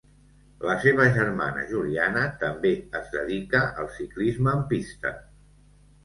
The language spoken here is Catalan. La seva germana Juliana també es dedica al ciclisme en pista.